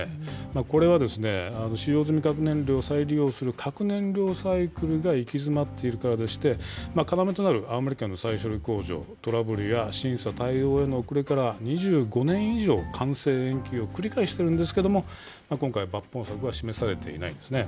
これは、使用済み核燃料を再利用する核燃料サイクルが行き詰まっているからでして、要となる青森県の再処理工場、トラブルや審査対応への遅れから、２５年以上、完成延期を繰り返しているんですけれども、今回、抜本策は示されていないんですね。